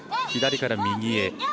左から右へ。